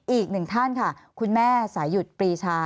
อีกหนึ่งท่านค่ะคุณแม่สายุดปรีชา